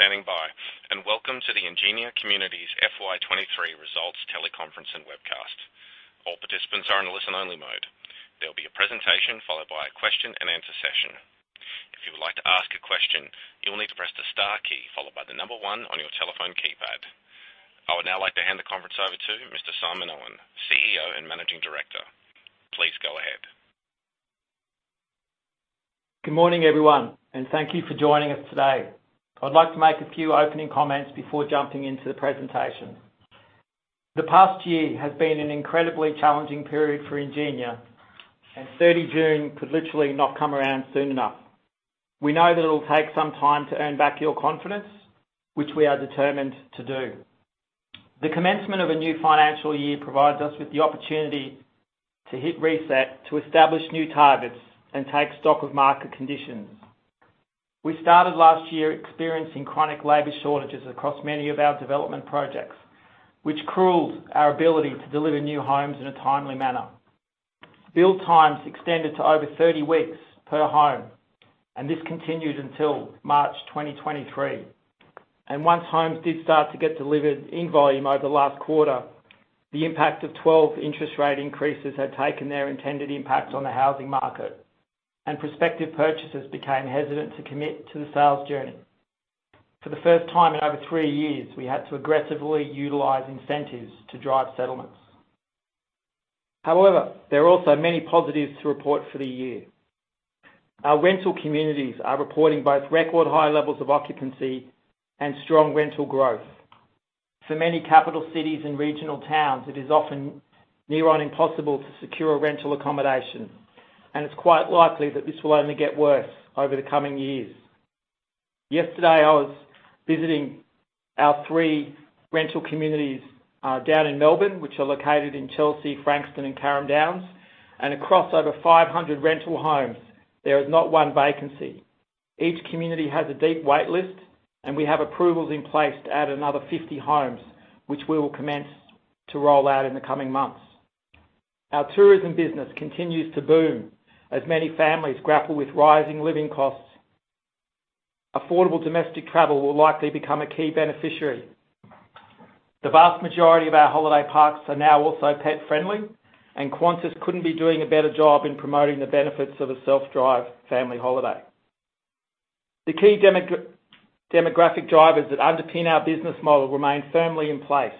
Thank you for standing by, welcome to the Ingenia Communities FY23 results teleconference and webcast. All participants are in a listen-only mode. There will be a presentation followed by a question-and-answer session. If you would like to ask a question, you will need to press the star key followed by 1 on your telephone keypad. I would now like to hand the conference over to Mr. Simon Owen, CEO and Managing Director. Please go ahead. Good morning, everyone. Thank you for joining us today. I'd like to make a few opening comments before jumping into the presentation. The past year has been an incredibly challenging period for Ingenia. 30 June could literally not come around soon enough. We know that it'll take some time to earn back your confidence, which we are determined to do. The commencement of a new financial year provides us with the opportunity to hit reset, to establish new targets and take stock of market conditions. We started last year experiencing chronic labor shortages across many of our development projects, which crueled our ability to deliver new homes in a timely manner. Build times extended to over 30 weeks per home. This continued until March 2023. Once homes did start to get delivered in volume over the last quarter, the impact of 12 interest rate increases had taken their intended impact on the housing market, and prospective purchasers became hesitant to commit to the sales journey. For the first time in over 3 years, we had to aggressively utilize incentives to drive settlements. However, there are also many positives to report for the year. Our rental communities are reporting both record high levels of occupancy and strong rental growth. For many capital cities and regional towns, it is often near on impossible to secure a rental accommodation, and it's quite likely that this will only get worse over the coming years. Yesterday, I was visiting our 3 rental communities down in Melbourne, which are located in Chelsea, Frankston and Carrum Downs, and across over 500 rental homes, there is not 1 vacancy. Each community has a deep wait list. We have approvals in place to add another 50 homes, which we will commence to roll out in the coming months. Our tourism business continues to boom as many families grapple with rising living costs. Affordable domestic travel will likely become a key beneficiary. The vast majority of our holiday parks are now also pet-friendly. Qantas couldn't be doing a better job in promoting the benefits of a self-drive family holiday. The key demographic drivers that underpin our business model remain firmly in place: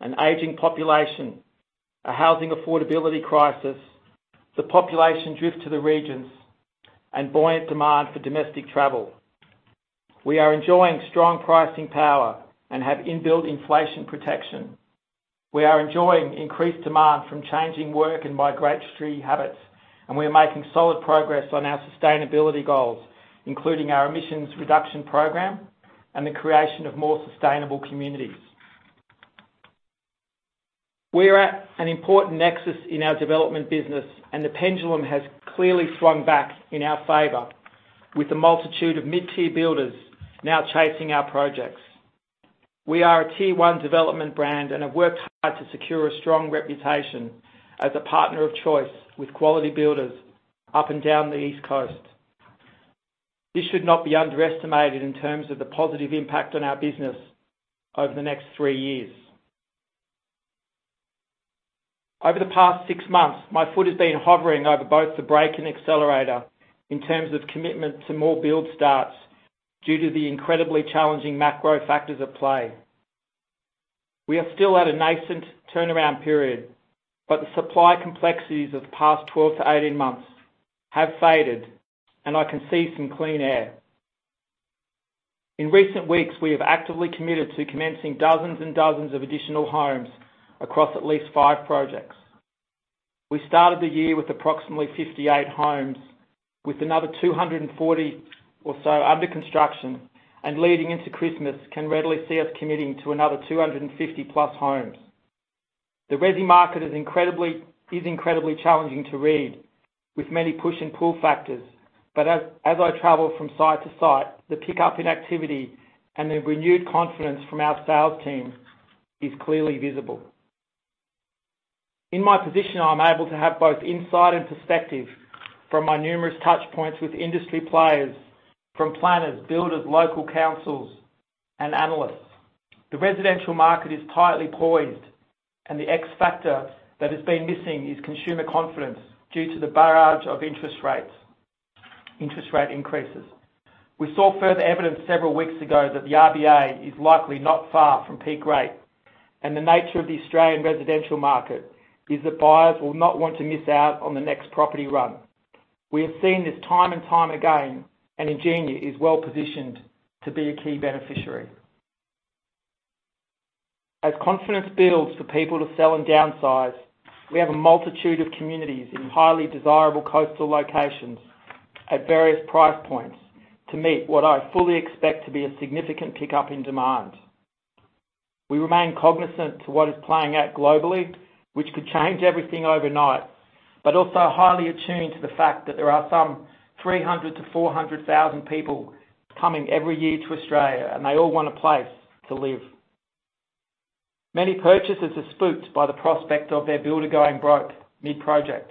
an aging population, a housing affordability crisis, the population drift to the regions, and buoyant demand for domestic travel. We are enjoying strong pricing power and have inbuilt inflation protection. We are enjoying increased demand from changing work and migratory habits. We are making solid progress on our sustainability goals, including our emissions reduction program and the creation of more sustainable communities. We are at an important nexus in our development business. The pendulum has clearly swung back in our favor, with a multitude of mid-tier builders now chasing our projects. We are a tier one development brand and have worked hard to secure a strong reputation as a partner of choice with quality builders up and down the East Coast. This should not be underestimated in terms of the positive impact on our business over the next three years. Over the past six months, my foot has been hovering over both the brake and accelerator in terms of commitment to more build starts due to the incredibly challenging macro factors at play. We are still at a nascent turnaround period, the supply complexities of the past 12-18 months have faded, and I can see some clean air. In recent weeks, we have actively committed to commencing dozens and dozens of additional homes across at least five projects. We started the year with approximately 58 homes, with another 240 or so under construction, and leading into Christmas, can readily see us committing to another 250+ homes. The resi market is incredibly challenging to read, with many push and pull factors. As I travel from site to site, the pickup in activity and the renewed confidence from our sales team is clearly visible. In my position, I'm able to have both insight and perspective from my numerous touch points with industry players, from planners, builders, local councils, and analysts. The residential market is tightly poised, and the X factor that has been missing is consumer confidence due to the barrage of interest rate increases. We saw further evidence several weeks ago that the RBA is likely not far from peak rate, and the nature of the Australian residential market is that buyers will not want to miss out on the next property run. We have seen this time and time again, and Ingenia is well positioned to be a key beneficiary. As confidence builds for people to sell and downsize, we have a multitude of communities in highly desirable coastal locations at various price points to meet what I fully expect to be a significant pickup in demand. We remain cognizant to what is playing out globally, which could change everything overnight, but also highly attuned to the fact that there are some 300,000-400,000 people coming every year to Australia, and they all want a place to live. Many purchasers are spooked by the prospect of their builder going broke mid-project.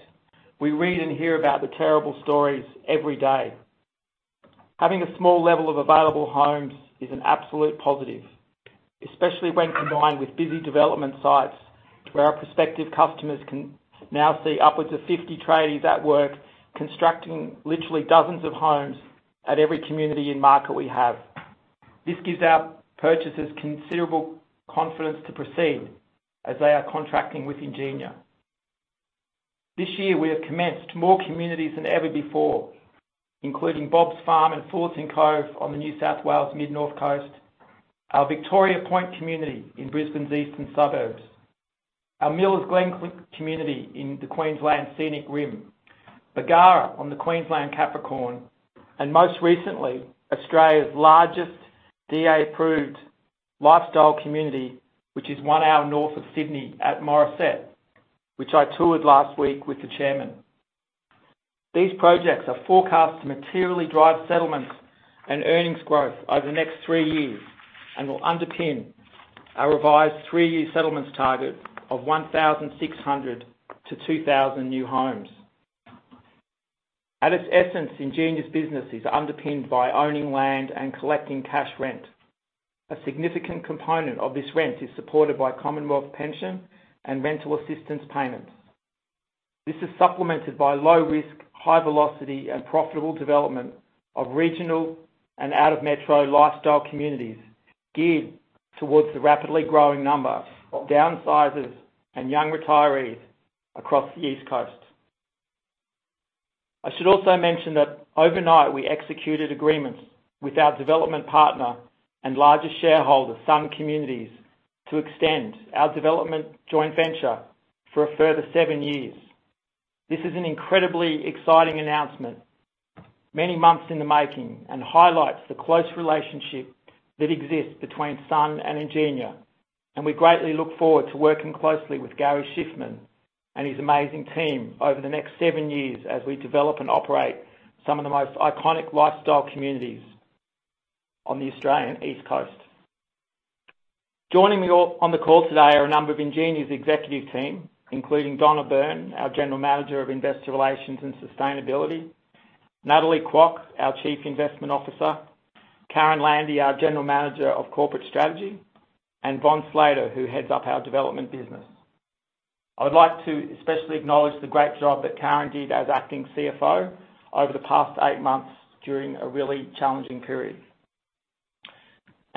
We read and hear about the terrible stories every day. Having a small level of available homes is an absolute positive, especially when combined with busy development sites, to where our prospective customers can now see upwards of 50 tradies at work, constructing literally dozens of homes at every community and market we have. This gives our purchasers considerable confidence to proceed as they are contracting with Ingenia. This year, we have commenced more communities than ever before, including Bob's Farm and Fullerton Cove on the New South Wales Mid North Coast, our Victoria Point community in Brisbane's eastern suburbs, our Millers Glen community in the Queensland Scenic Rim, Bargara on the Queensland Capricorn, and most recently, Australia's largest DA-approved lifestyle community, which is one hour north of Sydney at Morisset, which I toured last week with the chairman. These projects are forecast to materially drive settlements and earnings growth over the next three years and will underpin our revised three-year settlements target of 1,600 to 2,000 new homes. At its essence, Ingenia's business is underpinned by owning land and collecting cash rent. A significant component of this rent is supported by Age Pension and rental assistance payments. This is supplemented by low risk, high velocity, and profitable development of regional and out-of-metro lifestyle communities geared towards the rapidly growing number of downsizers and young retirees across the East Coast. I should also mention that overnight, we executed agreements with our development partner and largest shareholder, Sun Communities, to extend our development joint venture for a further 7 years. This is an incredibly exciting announcement, many months in the making, and highlights the close relationship that exists between Sun and Ingenia, and we greatly look forward to working closely with Gary Shiffman and his amazing team over the next seven years as we develop and operate some of the most iconic lifestyle communities on the Australian East Coast. Joining me on the call today are a number of Ingenia's executive team, including Donna Byrne, our General Manager of Investor Relations & Sustainability, Natalie Kwok, our Chief Investment Officer, Karen Landy, our General Manager of Corporate Strategy, and Vaughan Slater, who heads up our development business. I would like to especially acknowledge the great job that Karen did as acting CFO over the past 8 months during a really challenging period.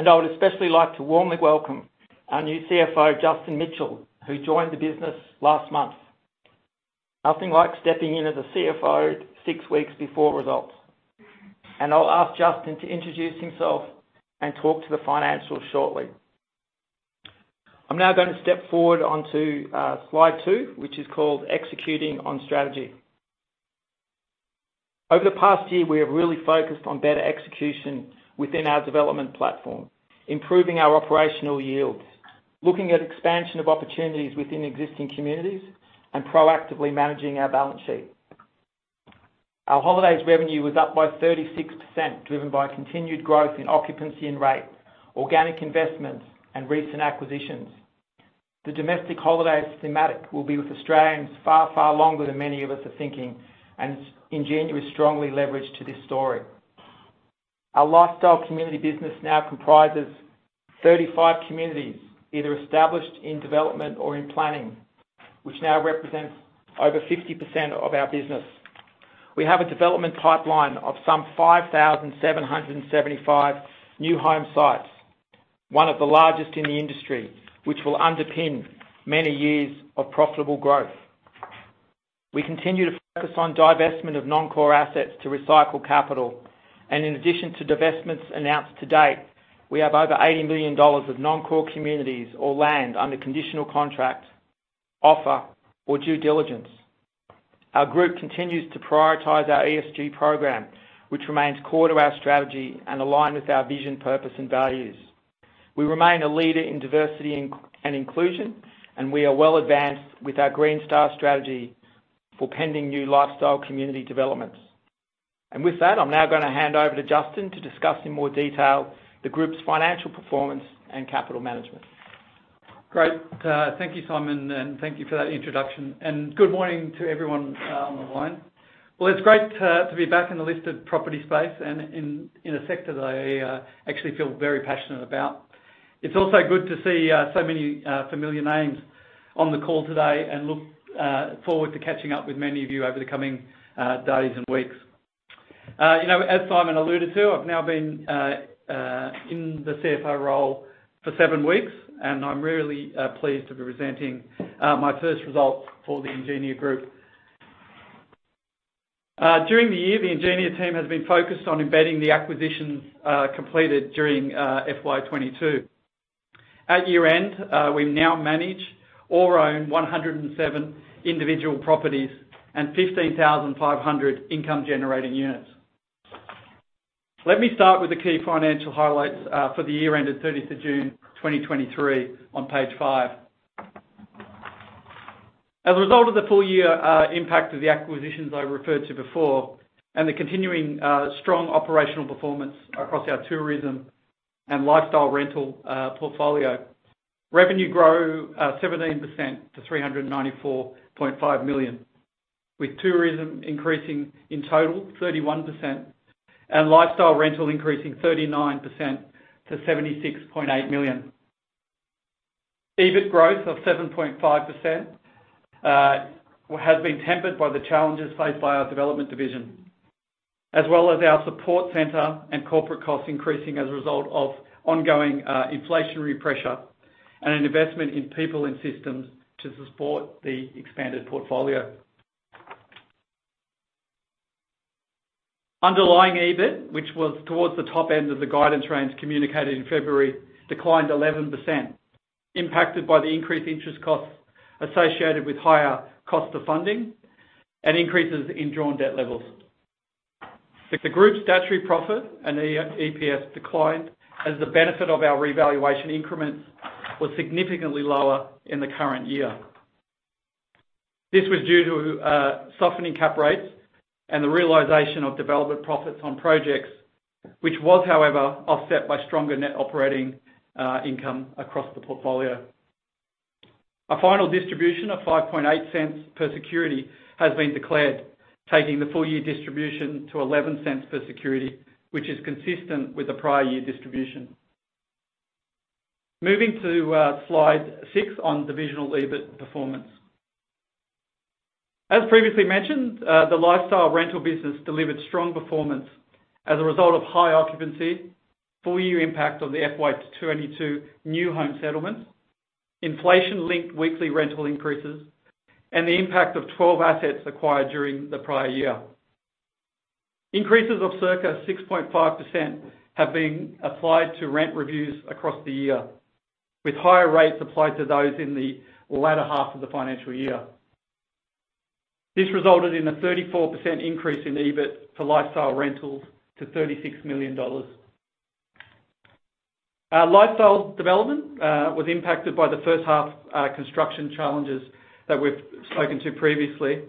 I would especially like to warmly welcome our new CFO, Justin Mitchell, who joined the business last month. Nothing like stepping in as a CFO 6 weeks before results. I'll ask Justin to introduce himself and talk to the financials shortly. I'm now going to step forward onto slide 2, which is called Executing on Strategy. Over the past year, we have really focused on better execution within our development platform, improving our operational yields, looking at expansion of opportunities within existing communities, and proactively managing our balance sheet. Our holidays revenue was up by 36%, driven by continued growth in occupancy and rate, organic investments, and recent acquisitions. The domestic holiday thematic will be with Australians far, far longer than many of us are thinking, and Ingenia is strongly leveraged to this story. Our lifestyle community business now comprises 35 communities, either established, in development, or in planning, which now represents over 50% of our business. We have a development pipeline of some 5,775 new home sites, one of the largest in the industry, which will underpin many years of profitable growth. We continue to focus on divestment of non-core assets to recycle capital. In addition to divestments announced to date, we have over 80 million dollars of non-core communities or land under conditional contract, offer, or due diligence. Our group continues to prioritize our ESG program, which remains core to our strategy and aligned with our vision, purpose, and values. We remain a leader in diversity and inclusion, and we are well advanced with our Green Star strategy for pending new lifestyle community developments. With that, I'm now gonna hand over to Justin to discuss in more detail the group's financial performance and capital management. Great. Thank you, Simon, and thank you for that introduction. Good morning to everyone on the line. Well, it's great to be back in the listed property space and in a sector that I actually feel very passionate about. It's also good to see so many familiar names on the call today and look forward to catching up with many of you over the coming days and weeks. You know, as Simon alluded to, I've now been in the CFO role for seven weeks, and I'm really pleased to be presenting my first results for the Ingenia Group. During the year, the Ingenia team has been focused on embedding the acquisitions completed during FY22. At year-end, we now manage or own 107 individual properties and 15,500 income-generating units. Let me start with the key financial highlights for the year end of June 30, 2023 on Page 5. As a result of the full year impact of the acquisitions I referred to before, and the continuing strong operational performance across our tourism and lifestyle rental portfolio, revenue grew 17% to 394.5 million, with tourism increasing in total 31% and lifestyle rental increasing 39% to 76.8 million. EBIT growth of 7.5% has been tempered by the challenges faced by our development division, as well as our support center and corporate costs increasing as a result of ongoing inflationary pressure and an investment in people and systems to support the expanded portfolio. Underlying EBIT, which was towards the top end of the guidance range communicated in February, declined 11%, impacted by the increased interest costs associated with higher cost of funding and increases in drawn debt levels. The Group's statutory profit and EPS declined as the benefit of our revaluation increments was significantly lower in the current year. This was due to softening cap rates and the realization of development profits on projects, which was, however, offset by stronger net operating income across the portfolio. A final distribution of 0.058 per security has been declared, taking the full year distribution to 0.11 per security, which is consistent with the prior year distribution. Moving to slide 6 on divisional EBIT performance. As previously mentioned, the lifestyle rental business delivered strong performance as a result of high occupancy, full year impact of the FY22 new home settlements, inflation-linked weekly rental increases, and the impact of 12 assets acquired during the prior year. Increases of circa 6.5% have been applied to rent reviews across the year, with higher rates applied to those in the latter half of the financial year. This resulted in a 34% increase in EBIT for lifestyle rentals to 36 million dollars. Our lifestyle development was impacted by the first half construction challenges that we've spoken to previously,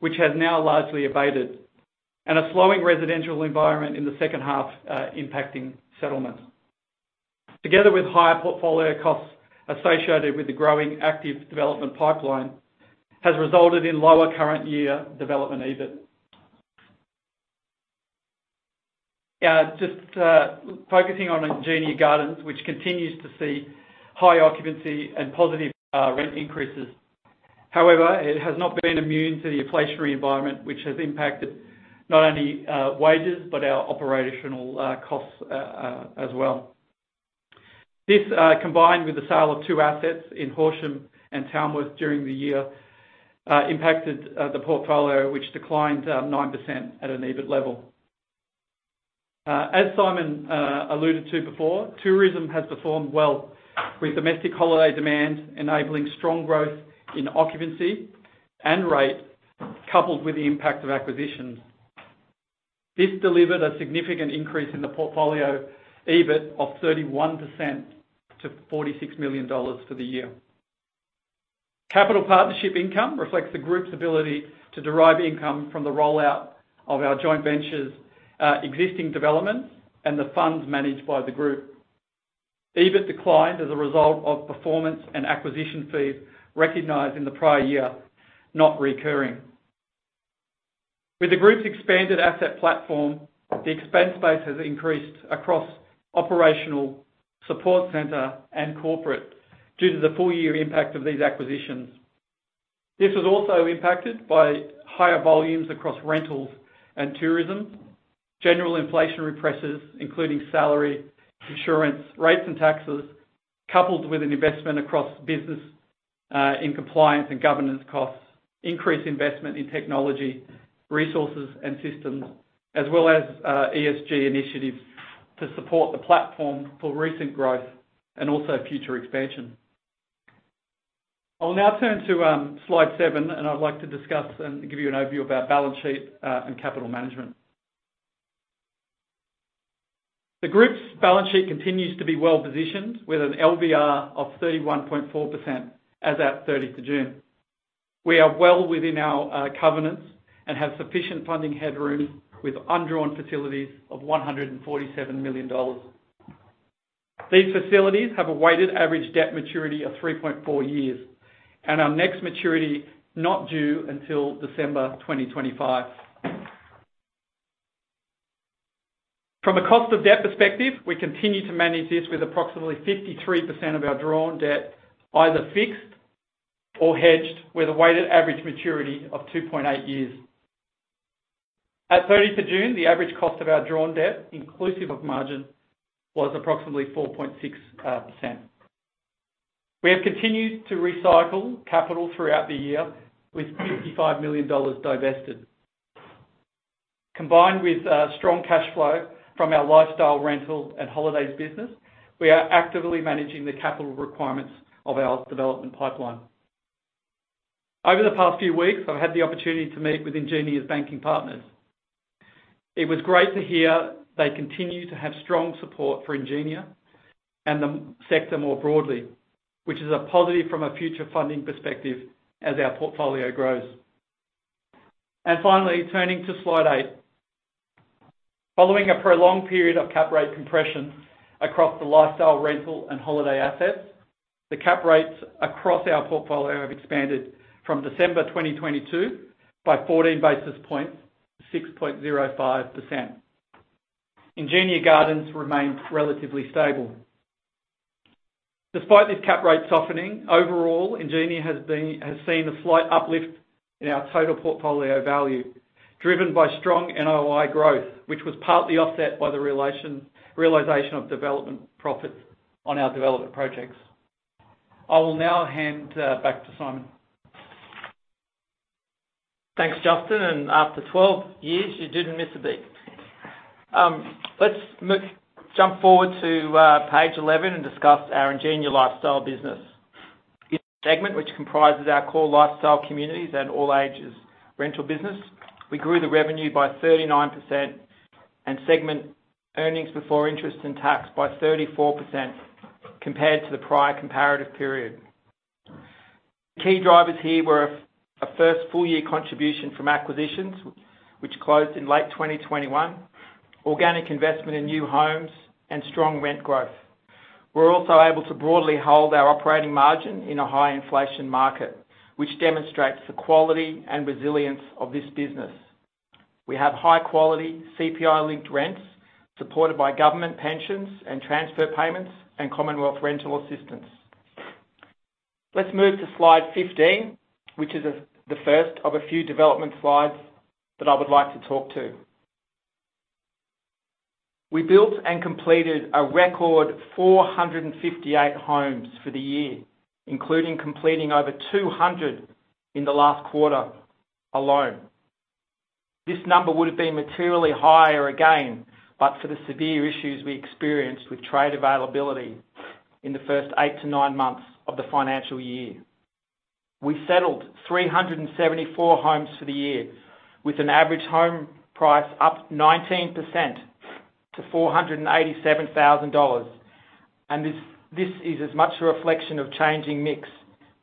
which has now largely abated, and a slowing residential environment in the second half, impacting settlement. Together with higher portfolio costs associated with the growing active development pipeline, has resulted in lower current year development EBIT. Just focusing on Ingenia Gardens, which continues to see high occupancy and positive rent increases. However, it has not been immune to the inflationary environment, which has impacted not only wages, but our operational costs as well. This combined with the sale of two assets in Horsham and Tamworth during the year, impacted the portfolio, which declined 9% at an EBIT level. As Simon alluded to before, tourism has performed well with domestic holiday demand, enabling strong growth in occupancy and rate, coupled with the impact of acquisitions. This delivered a significant increase in the portfolio EBIT of 31% to 46 million dollars for the year. Capital partnership income reflects the group's ability to derive income from the rollout of our joint ventures, existing developments and the funds managed by the group. EBIT declined as a result of performance and acquisition fees recognized in the prior year, not recurring. With the Group's expanded asset platform, the expense base has increased across operational, support center, and corporate due to the full year impact of these acquisitions. This was also impacted by higher volumes across rentals and tourism, general inflationary pressures, including salary, insurance, rates and taxes, coupled with an investment across business in compliance and governance costs, increased investment in technology, resources, and systems, as well as ESG initiatives to support the platform for recent growth and also future expansion. I will now turn to slide 7, and I'd like to discuss and give you an overview of our balance sheet and capital management. The Group's balance sheet continues to be well-positioned, with an LVR of 31.4% as at 30th of June. We are well within our covenants and have sufficient funding headroom with undrawn facilities of 147 million dollars. These facilities have a weighted average debt maturity of 3.4 years, and our next maturity not due until December 2025. From a cost of debt perspective, we continue to manage this with approximately 53% of our drawn debt, either fixed or hedged, with a weighted average maturity of 2.8 years. At 30th of June, the average cost of our drawn debt, inclusive of margin, was approximately 4.6%. We have continued to recycle capital throughout the year with 55 million dollars divested. Combined with strong cash flow from our lifestyle, rental, and holidays business, we are actively managing the capital requirements of our development pipeline. Over the past few weeks, I've had the opportunity to meet with Ingenia's banking partners. It was great to hear they continue to have strong support for Ingenia and the sector more broadly, which is a positive from a future funding perspective as our portfolio grows. Finally, turning to Slide 8. Following a prolonged period of cap rate compression across the lifestyle, rental, and holiday assets, the cap rates across our portfolio have expanded from December 2022, by 14 basis points to 6.05%. Ingenia Gardens remains relatively stable. Despite this cap rate softening, overall, Ingenia has seen a slight uplift in our total portfolio value, driven by strong NOI growth, which was partly offset by the realization of development profits on our development projects. I will now hand back to Simon. Thanks, Justin. After 12 years, you didn't miss a beat. Let's jump forward to page 11 and discuss our Ingenia Lifestyle business segment, which comprises our core lifestyle communities and all ages rental business. We grew the revenue by 39% and segment earnings before interest and tax by 34% compared to the prior comparative period. Key drivers here were a first full year contribution from acquisitions, which closed in late 2021, organic investment in new homes, and strong rent growth. We're also able to broadly hold our operating margin in a high inflation market, which demonstrates the quality and resilience of this business. We have high quality CPI-linked rents, supported by government pensions and transfer payments, and Commonwealth Rent Assistance. Let's move to Slide 15, which is the first of a few development slides that I would like to talk to. We built and completed a record 458 homes for the year, including completing over 200 in the last quarter alone. This number would have been materially higher again, but for the severe issues we experienced with trade availability in the first 8-9 months of the financial year. We settled 374 homes for the year, with an average home price up 19% to 487,000 dollars, this is as much a reflection of changing mix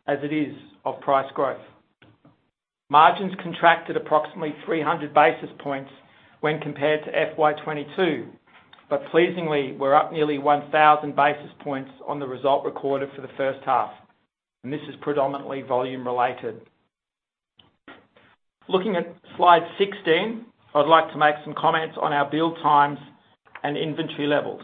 as it is of price growth. Margins contracted approximately 300 basis points when compared to FY22. Pleasingly, we're up nearly 1,000 basis points on the result recorded for the first half. This is predominantly volume related. Looking at Slide 16, I'd like to make some comments on our build times and inventory levels.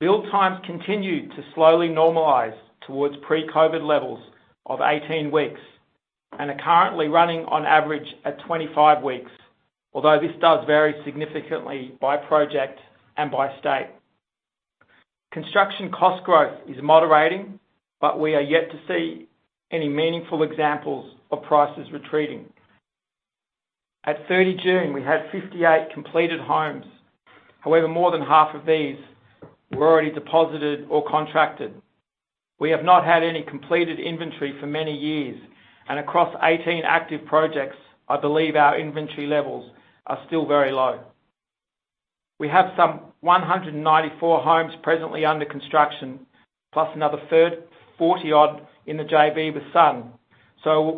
Build times continue to slowly normalize towards pre-COVID levels of 18 weeks. Are currently running on average at 25 weeks, although this does vary significantly by project and by state. Construction cost growth is moderating. We are yet to see any meaningful examples of prices retreating. At 30 June, we had 58 completed homes. However, more than half of these were already deposited or contracted. We have not had any completed inventory for many years. Across 18 active projects, I believe our inventory levels are still very low. We have some 194 homes presently under construction, plus another third, 40-odd in the JV with Sun.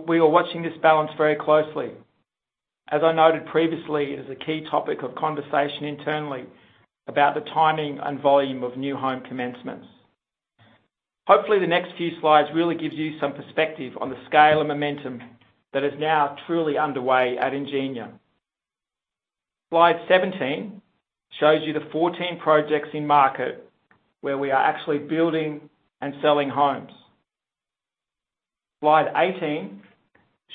We are watching this balance very closely. As I noted previously, it is a key topic of conversation internally about the timing and volume of new home commencements. Hopefully, the next few slides really gives you some perspective on the scale and momentum that is now truly underway at Ingenia. Slide 17 shows you the 14 projects in market where we are actually building and selling homes. Slide 18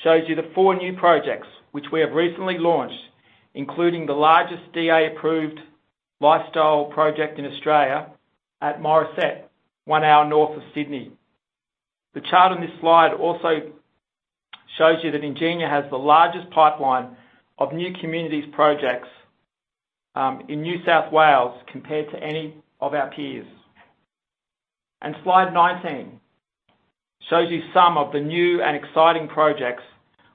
shows you the 4 new projects which we have recently launched, including the largest DA-approved lifestyle project in Australia at Morisset, one hour north of Sydney. The chart on this slide also shows you that Ingenia has the largest pipeline of new communities projects in New South Wales compared to any of our peers. Slide 19 shows you some of the new and exciting projects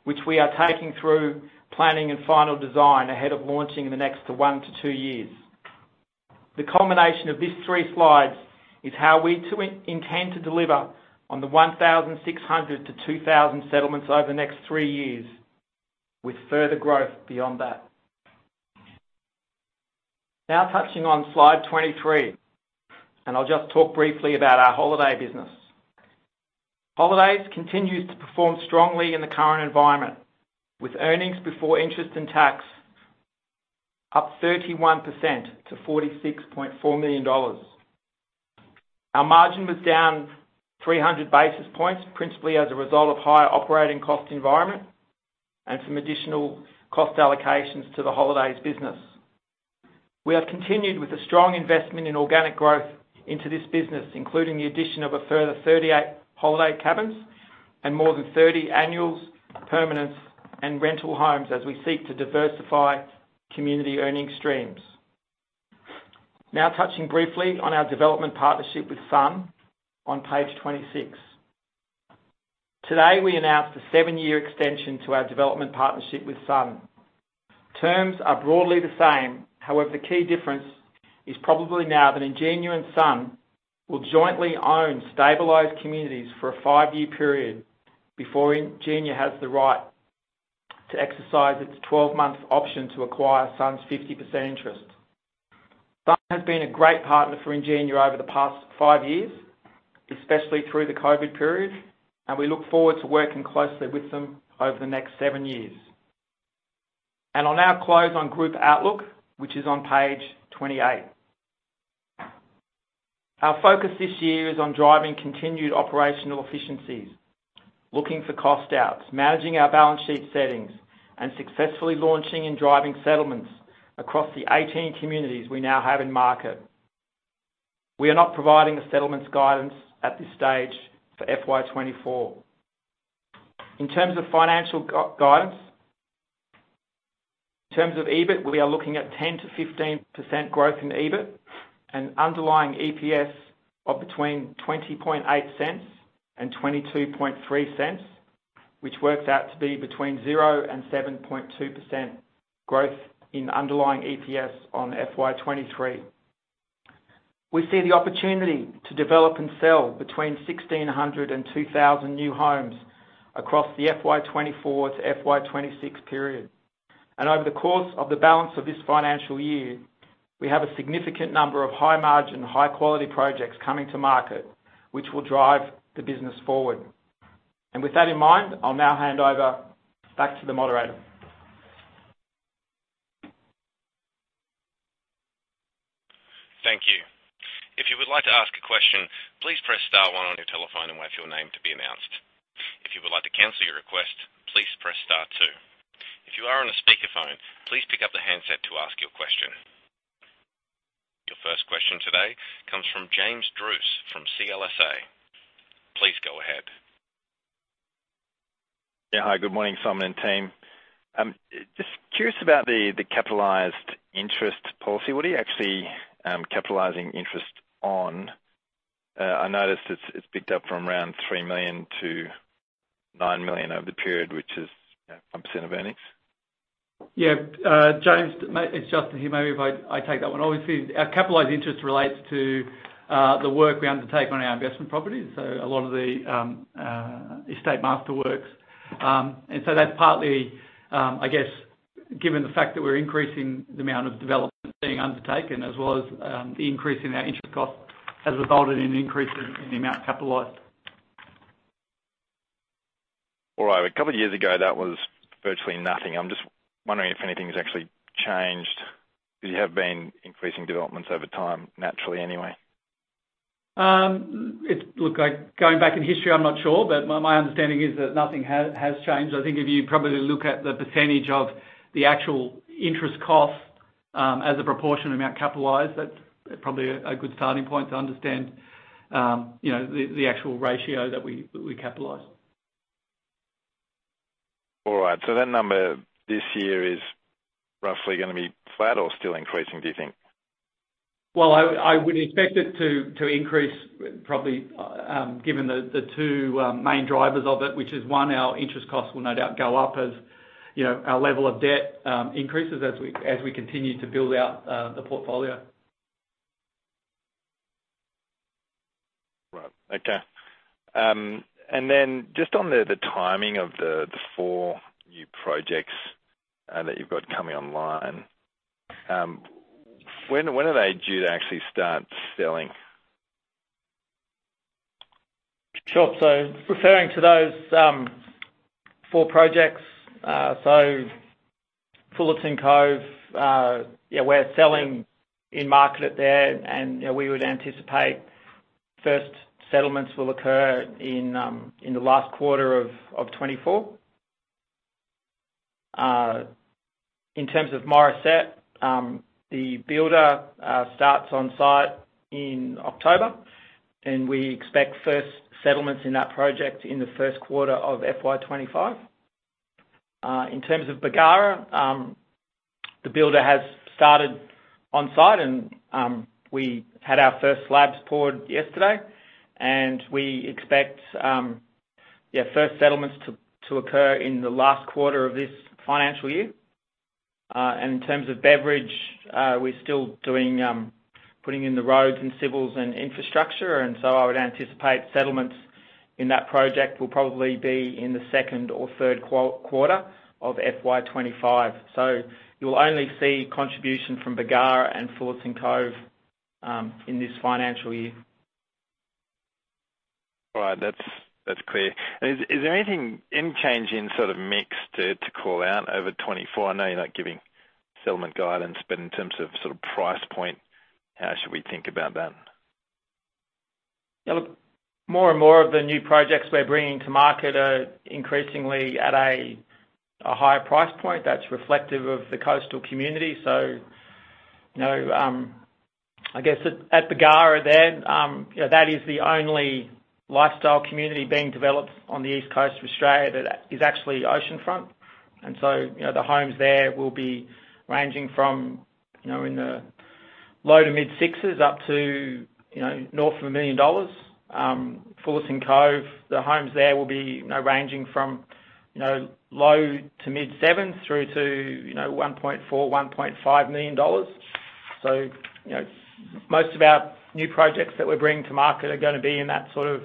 which we are taking through planning and final design ahead of launching in the next 1-2 years. The combination of these three slides is how we intend to deliver on the 1,600-2,000 settlements over the next 3 years, with further growth beyond that. Touching on Slide 23, I'll just talk briefly about our holiday business. Holidays continues to perform strongly in the current environment, with earnings before interest and tax up 31% to 46.4 million dollars. Our margin was down 300 basis points, principally as a result of higher operating cost environment and some additional cost allocations to the holidays business. We have continued with a strong investment in organic growth into this business, including the addition of a further 38 holiday cabins and more than 30 annuals, permanents, and rental homes as we seek to diversify community earning streams. Touching briefly on our development partnership with Sun, on page 26. Today, we announced a seven-year extension to our development partnership with Sun. Terms are broadly the same, however, the key difference is probably now that Ingenia and Sun will jointly own stabilized communities for a five-year period before Ingenia has the right to exercise its 12-month option to acquire Sun's 50% interest. Sun has been a great partner for Ingenia over the past five years, especially through the COVID period, and we look forward to working closely with them over the next seven years. I'll now close on group outlook, which is on page 28. Our focus this year is on driving continued operational efficiencies, looking for cost outs, managing our balance sheet settings, and successfully launching and driving settlements across the 18 communities we now have in market. We are not providing a settlements guidance at this stage for FY24. In terms of financial guidance, in terms of EBIT, we are looking at 10%-15% growth in EBIT, and underlying EPS of between 0.208 and 0.223, which works out to be between 0% and 7.2% growth in underlying EPS on FY23. We see the opportunity to develop and sell between 1,600 and 2,000 new homes across the FY24-FY26 period. Over the course of the balance of this financial year, we have a significant number of high-margin, high-quality projects coming to market, which will drive the business forward. With that in mind, I'll now hand over back to the moderator. Thank you. If you would like to ask a question, please press star one on your telephone and wait for your name to be announced. If you would like to cancel your request, please press star two. If you are on a speakerphone, please pick up the handset to ask your question. Your first question today comes from James Druce from CLSA. Please go ahead. Yeah. Hi, good morning, Simon and team. Just curious about the capitalized interest policy. What are you actually capitalizing interest on? I noticed it's picked up from around 3 million to 9 million over the period, which is, you know, 1% of earnings. Yeah, James, it's Justin here. Maybe if I, I take that one. Obviously, our capitalized interest relates to the work we undertake on our investment properties, so a lot of the estate masterworks. So that's partly, I guess, given the fact that we're increasing the amount of development being undertaken, as well as the increase in our interest costs has resulted in an increase in, in the amount capitalized. All right. A couple of years ago, that was virtually nothing. I'm just wondering if anything has actually changed, because you have been increasing developments over time, naturally anyway. It's... Look, like, going back in history, I'm not sure, but my, my understanding is that nothing has, has changed. I think if you probably look at the % of the actual interest cost, as a proportion amount capitalized, that's probably a good starting point to understand, you know, the actual ratio that we capitalize. All right. That number this year is roughly gonna be flat or still increasing, do you think? Well, I would expect it to increase, probably, given the two main drivers of it, which is, one, our interest costs will no doubt go up as, you know, our level of debt increases as we continue to build out the portfolio. Right. Okay. Then just on the, the timing of the, the four new projects that you've got coming online, when, when are they due to actually start selling? Sure. Referring to those four projects, Fullerton Cove, yeah, we're selling in market there, and, you know, we would anticipate first settlements will occur in the last quarter of 2024. In terms of Morisset, the builder starts on site in October, and we expect first settlements in that project in the first quarter of FY25. In terms of Bargara, the builder has started on site, and we had our first slabs poured yesterday, and we expect, yeah, first settlements to occur in the last quarter of this financial year. In terms of Beveridge, we're still doing putting in the roads and civils and infrastructure, I would anticipate settlements in that project will probably be in the second or third quarter of FY25. You'll only see contribution from Bingara and Fullerton Cove, in this financial year. All right. That's, that's clear. Is, is there anything, any change in sort of mix to, to call out over 2024? I know you're not giving settlement guidance, but in terms of sort of price point, how should we think about that? Yeah, look, more and more of the new projects we're bringing to market are increasingly at a higher price point that's reflective of the coastal community. You know, I guess at Bargara there, you know, that is the only lifestyle community being developed on the East Coast of Australia that is actually oceanfront. And so, you know, the homes there will be ranging from, you know, in the low to mid AUD 600,000s, up to, you know, north of 1 million dollars. Fullerton Cove, the homes there will be, you know, ranging from, you know, low to mid AUD 700,000s through to, you know, 1.4 million-1.5 million dollars. So, you know, most of our new projects that we're bringing to market are gonna be in that sort of,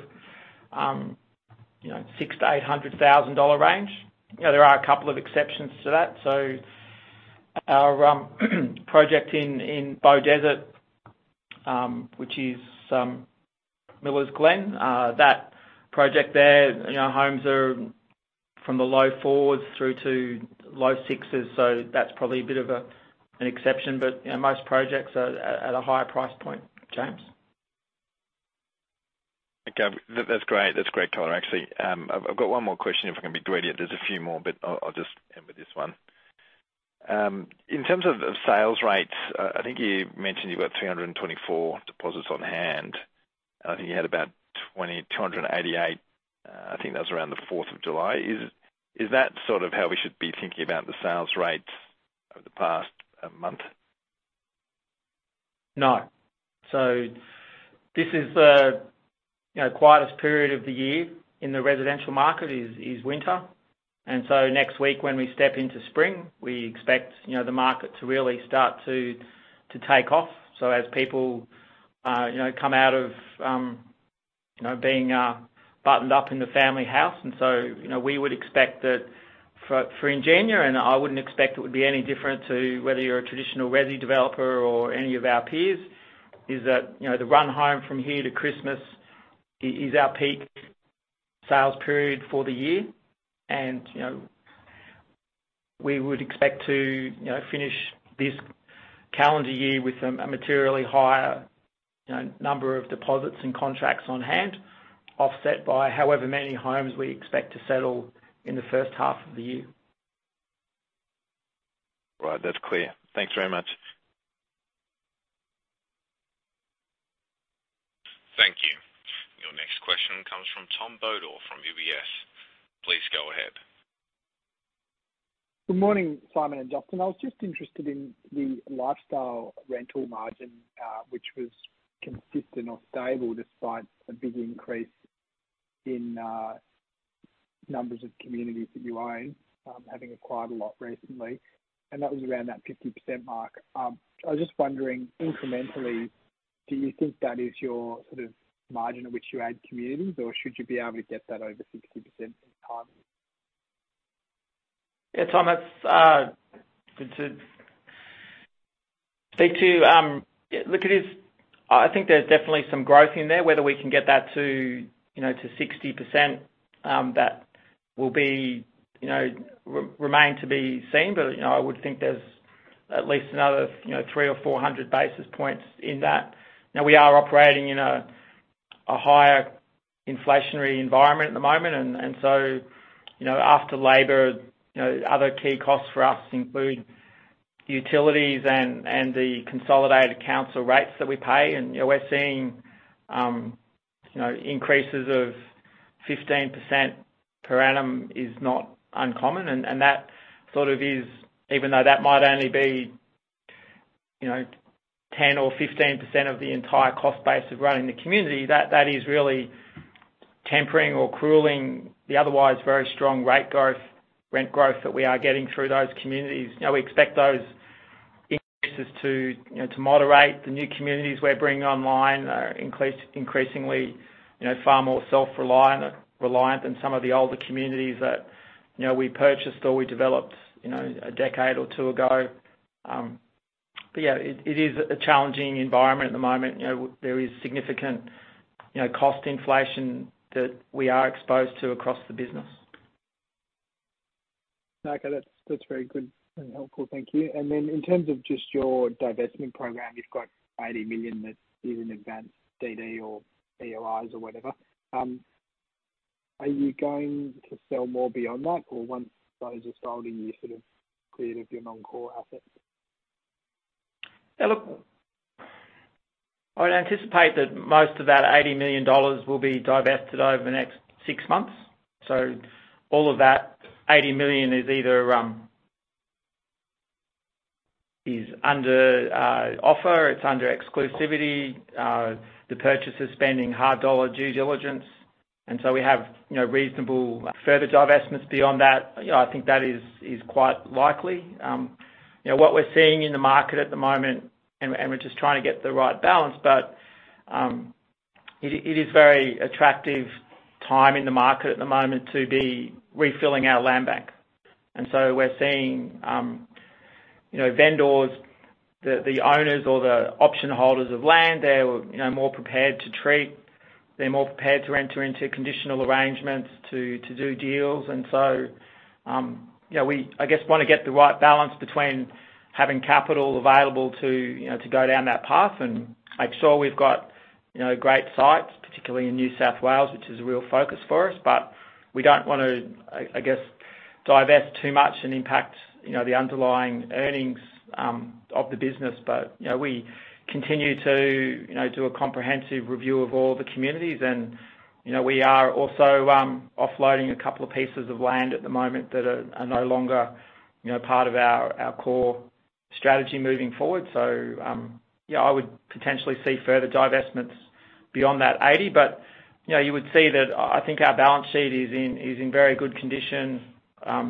you know, 600,000-800,000 dollar range. You know, there are a couple of exceptions to that. Our project in Beaudesert, which is Millers Glen, that project there, you know, homes are from the low 4s through to low 6s, so that's probably a bit of an exception. You know, most projects are at a higher price point. James? Okay. That's great. That's great color, actually. I've, I've got one more question, if I can be greedy. There's a few more, but I'll, I'll just end with this one. In terms of, of sales rates, I think you mentioned you've got 324 deposits on hand, and I think you had about 288, I think that was around the 4th of July. Is that sort of how we should be thinking about the sales rates over the past month? No. This is the, you know, quietest period of the year in the residential market, is winter. Next week, when we step into spring, we expect, you know, the market to really start to take off. As people, you know, come out of, you know, being buttoned up in the family house. You know, we would expect that for Ingenia, and I wouldn't expect it would be any different to whether you're a traditional resi developer or any of our peers, is that, you know, the run home from here to Christmas is our peak sales period for the year. You know, we would expect to, you know, finish this calendar year with a materially higher, you know, number of deposits and contracts on hand, offset by however many homes we expect to settle in the first half of the year. Right. That's clear. Thanks very much. Thank you. Your next question comes from Tom Bodor from UBS. Please go ahead. Good morning, Simon and Justin. I was just interested in the lifestyle rental margin, which was consistent or stable, despite a big increase in numbers of communities that you own, having acquired a lot recently, and that was around that 50% mark. I was just wondering, incrementally, do you think that is your sort of margin at which you add communities, or should you be able to get that over 60% in time? Yeah, Tom, that's. Speak to. Yeah, look, I think there's definitely some growth in there. Whether we can get that to, you know, to 60%, that will be, you know, remain to be seen. I would think there's at least another, you know, 300 or 400 basis points in that. You know, we are operating in a, a higher inflationary environment at the moment, and, and so, you know, after labor, you know, other key costs for us include utilities and, and the consolidated council rates that we pay. We're seeing, you know, increases of 15% per annum is not uncommon. And that sort of is, even though that might only be, you know, 10% or 15% of the entire cost base of running the community, that, that is really tempering or crueling the otherwise very strong rate growth, rent growth that we are getting through those communities. You know, we expect those increases to, you know, to moderate. The new communities we're bringing online are increasingly, you know, far more self-reliant, reliant than some of the older communities that, you know, we purchased or we developed, you know, a decade or two ago. Yeah, it, it is a challenging environment at the moment. You know, there is significant, you know, cost inflation that we are exposed to across the business. Okay. That's, that's very good and helpful. Thank you. In terms of just your divestment program, you've got 80 million that is in advanced DD or IOI or whatever. Are you going to sell more beyond that? Or once those are sold, are you sort of cleared of your non-core assets? Yeah, look, I would anticipate that most of that 80 million dollars will be divested over the next six months. All of that 80 million is either, is under offer, it's under exclusivity, the purchaser's spending hard dollar due diligence, and so we have, you know, reasonable further divestments beyond that. You know, I think that is, is quite likely. You know, what we're seeing in the market at the moment, and we, and we're just trying to get the right balance, but, it, it is very attractive time in the market at the moment to be refilling our land bank. We're seeing, you know, vendors, the, the owners or the option holders of land, they're, you know, more prepared to treat, they're more prepared to enter into conditional arrangements to, to do deals. You know, we, I guess, want to get the right balance between having capital available to, you know, to go down that path and make sure we've got, you know, great sites, particularly in New South Wales, which is a real focus for us. We don't want to, I, I guess, divest too much and impact, you know, the underlying earnings of the business. You know, we continue to, you know, do a comprehensive review of all the communities. You know, we are also offloading a couple of pieces of land at the moment that are, are no longer, you know, part of our, our core strategy moving forward. Yeah, I would potentially see further divestments beyond that 80. You know, you would see that I, I think our balance sheet is in, is in very good condition. Our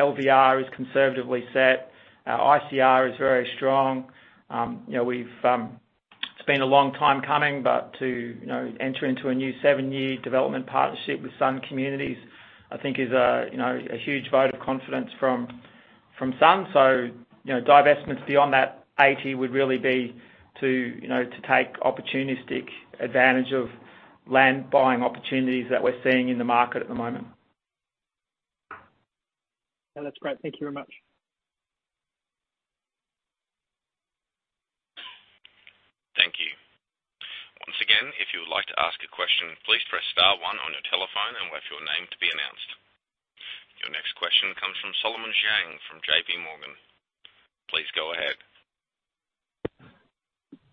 LVR is conservatively set. Our ICR is very strong. It's been a long time coming, but to enter into a new seven-year development partnership with Sun Communities, I think is a huge vote of confidence from Sun. Divestments beyond that 80 would really be to take opportunistic advantage of land buying opportunities that we're seeing in the market at the moment. Yeah, that's great. Thank you very much. Thank you. Once again, if you would like to ask a question, please press star 1 on your telephone and wait for your name to be announced. Your next question comes from Solomon sng from J.P. Morgan. Please go ahead.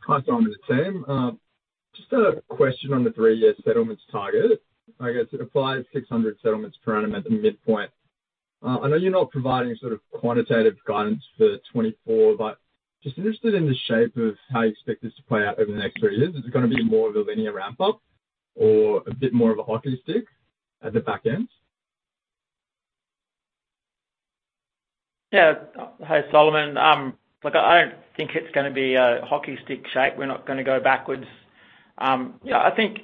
Hi, Simon and the team. Just a question on the three-year settlements target. I guess it applies 600 settlements per annum at the midpoint. I know you're not providing sort of quantitative guidance for 2024, but just interested in the shape of how you expect this to play out over the next three years. Is it gonna be more of a linear ramp-up or a bit more of a hockey stick at the back end? Yeah. Hi, Solomon. Look, I don't think it's gonna be a hockey stick shape. We're not gonna go backwards. You know, I think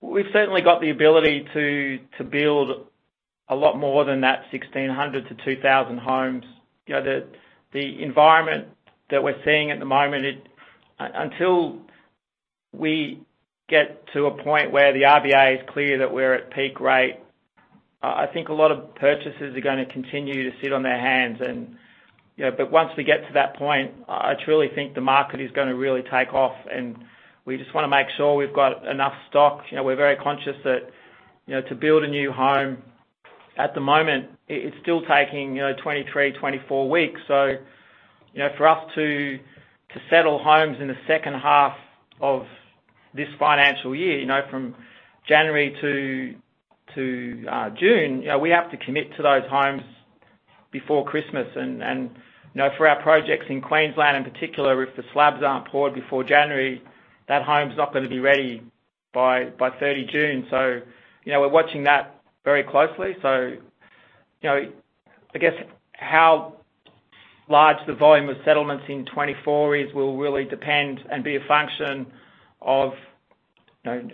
we've certainly got the ability to, to build a lot more than that 1,600 to 2,000 homes. You know, the environment that we're seeing at the moment, until we get to a point where the RBA is clear that we're at peak rate, I think a lot of purchasers are gonna continue to sit on their hands. You know, once we get to that point, I, I truly think the market is gonna really take off, and we just wanna make sure we've got enough stock. You know, we're very conscious that, you know, to build a new home, at the moment, it's still taking, you know, 23, 24 weeks. You know, for us to, to settle homes in the second half of this financial year, you know, from January to June, you know, we have to commit to those homes before Christmas. You know, for our projects in Queensland in particular, if the slabs aren't poured before January, that home's not gonna be ready by 30 June. You know, we're watching that very closely. You know, I guess how large the volume of settlements in 2024 is, will really depend and be a function of, you know,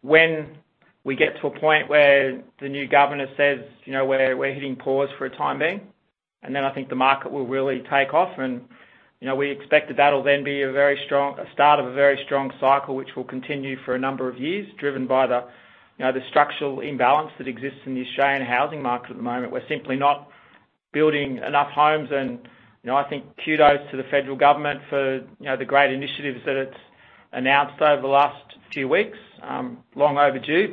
when we get to a point where the new governor says, "You know, we're, we're hitting pause for a time being," and then I think the market will really take off. You know, we expect that that'll then be a start of a very strong cycle, which will continue for a number of years, driven by the, you know, the structural imbalance that exists in the Australian housing market at the moment. We're simply not building enough homes. You know, I think kudos to the federal government for, you know, the great initiatives that it's announced over the last few weeks, long overdue. You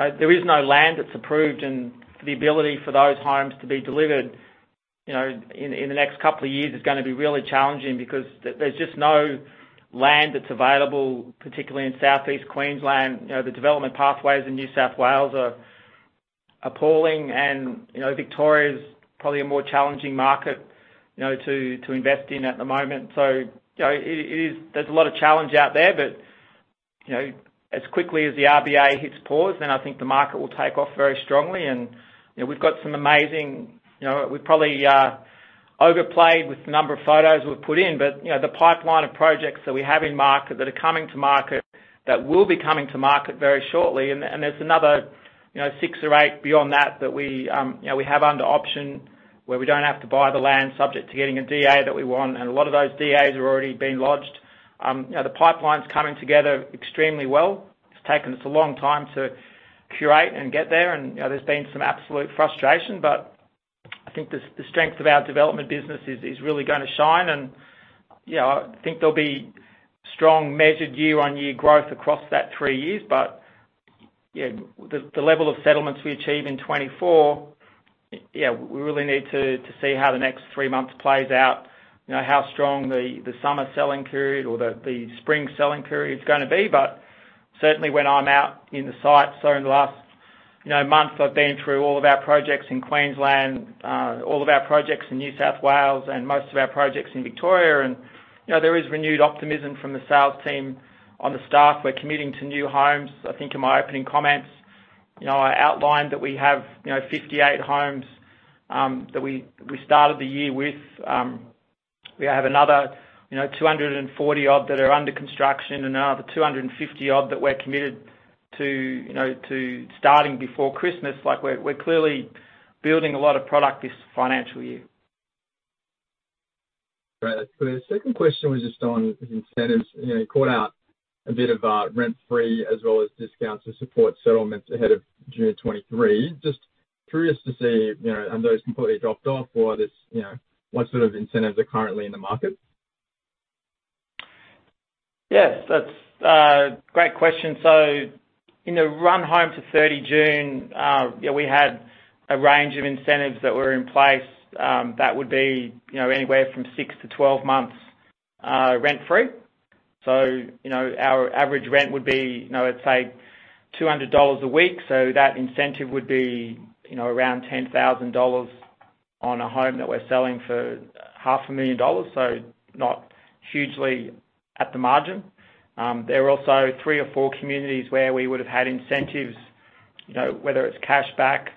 know, there is no land that's approved, and the ability for those homes to be delivered, you know, in, in the next couple of years is gonna be really challenging because there's just no land that's available, particularly in Southeast Queensland. You know, the development pathways in New South Wales are appalling and, you know, Victoria is probably a more challenging market, you know, to, to invest in at the moment. You know, it is there's a lot of challenge out there. You know, as quickly as the RBA hits pause, then I think the market will take off very strongly. You know, we've got some amazing... You know, we probably overplayed with the number of photos we've put in, but, you know, the pipeline of projects that we have in market, that are coming to market, that will be coming to market very shortly, and, and there's another, you know, six or eight beyond that, that we, you know, we have under option, where we don't have to buy the land subject to getting a DA that we want, and a lot of those DAs have already been lodged. You know, the pipeline's coming together extremely well. It's taken us a long time to curate and get there, and, you know, there's been some absolute frustration, but I think the strength of our development business is really gonna shine. And, you know, I think there'll be strong, measured year-on-year growth across that three years. Yeah, the level of settlements we achieve in 2024, yeah, we really need to see how the next 3 months plays out, you know, how strong the summer selling period or the spring selling period is gonna be. Certainly when I'm out in the sites, so in the last, you know, month, I've been through all of our projects in Queensland, all of our projects in New South Wales, and most of our projects in Victoria. You know, there is renewed optimism from the sales team on the staff. We're committing to new homes. I think in my opening comments, you know, I outlined that we have, you know, 58 homes that we started the year with. We have another, you know, 240 odd that are under construction and another 250 odd that we're committed to, you know, to starting before Christmas. Like, we're, we're clearly building a lot of product this financial year. Great. The second question was just on the incentives. You know, you called out a bit about rent-free as well as discounts to support settlements ahead of June 2023. Just curious to see, you know, have those completely dropped off or this, you know, what sort of incentives are currently in the market? Yes, that's a great question. In the run home to 30 June, we had a range of incentives that were in place, that would be, you know, anywhere from 6-12 months rent-free. You know, our average rent would be, you know, let's say 200 dollars a week. That incentive would be, you know, around 10,000 dollars on a home that we're selling for 500,000 dollars, so not hugely at the margin. There are also three or four communities where we would have had incentives, you know, whether it's cash back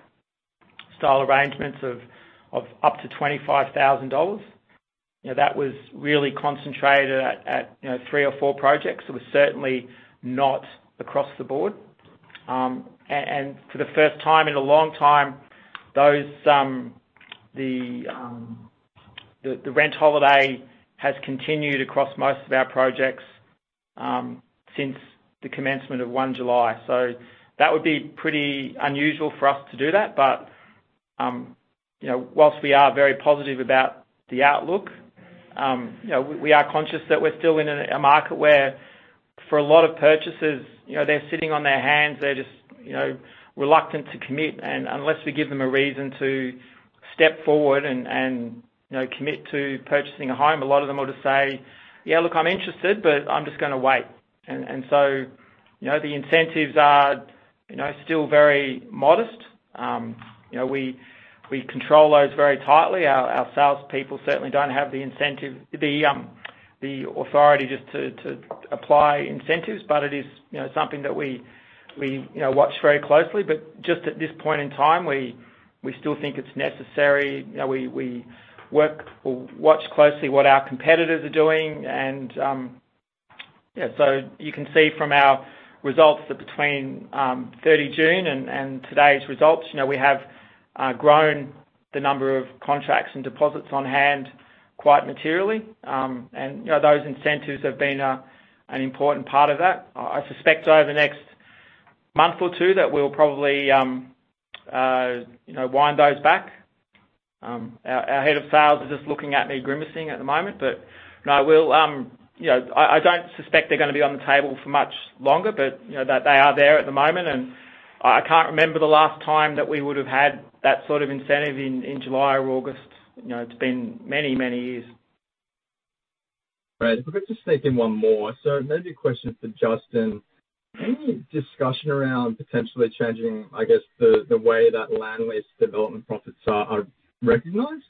style arrangements of, of up to 25,000 dollars. You know, that was really concentrated at, at, you know, three or four projects. It was certainly not across the board. For the first time in a long time, those, the, the, the rent holiday has continued across most of our projects, since the commencement of 1 July. That would be pretty unusual for us to do that, you know, whilst we are very positive about the outlook, you know, we are conscious that we're still in a, a market where for a lot of purchasers, you know, they're sitting on their hands, they're just, you know, reluctant to commit. Unless we give them a reason to step forward and, and, you know, commit to purchasing a home, a lot of them will just say, "Yeah, look, I'm interested, but I'm just gonna wait." You know, the incentives are, you know, still very modest. You know, we, we control those very tightly. Our, our salespeople certainly don't have the authority just to, to apply incentives, it is, you know, something that we, we, you know, watch very closely. Just at this point in time, we, we still think it's necessary. You know, we, we work or watch closely what our competitors are doing. You can see from our results that between 30 June and today's results, you know, we have grown the number of contracts and deposits on hand quite materially. You know, those incentives have been an important part of that. I, I suspect over the next month or two, that we'll probably, you know, wind those back. Our, our head of sales is just looking at me grimacing at the moment, but, no, we'll, you know, I, I don't suspect they're gonna be on the table for much longer, but, you know, that they are there at the moment, and I, I can't remember the last time that we would've had that sort of incentive in, in July or August. You know, it's been many, many years. Great. If I could just sneak in one more. Maybe a question for Justin Mitchell. Any discussion around potentially changing, I guess, the, the way that land lease development profits are, are recognized?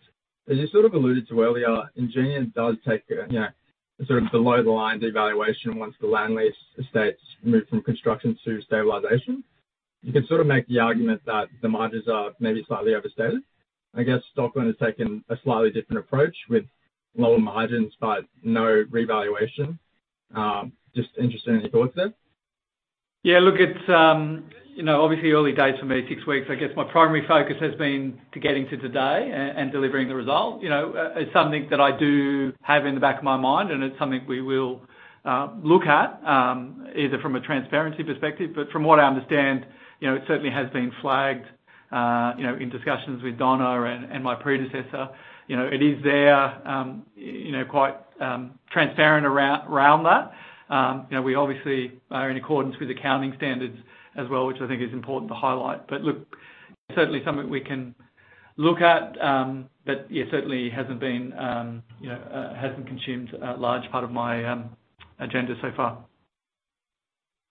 As you sort of alluded to earlier, Ingenia does take a, you know, sort of below-the-line devaluation once the land lease estates move from construction to stabilization. You could sort of make the argument that the margins are maybe slightly overstated. I guess Stockland has taken a slightly different approach with lower margins, but no revaluation. Just interested in your thoughts there. Yeah, look, it's, you know, obviously early days for me, six weeks. I guess my primary focus has been to getting to today and delivering the result. You know, it's something that I do have in the back of my mind, and it's something we will look at either from a transparency perspective. From what I understand, you know, it certainly has been flagged, you know, in discussions with Donna and my predecessor. You know, it is there, you know, quite transparent around that. You know, we obviously are in accordance with accounting standards as well, which I think is important to highlight. Look, certainly something we can look at, but yeah, certainly hasn't been, you know, hasn't consumed a large part of my agenda so far.